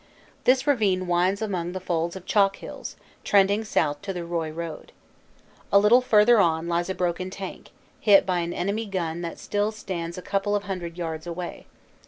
This ravine winds among the folds of chalk hills, trending south to the Roye road. A little further on lies a broken tank, hit by an enemy gun that still stands a couple of hundred yards away.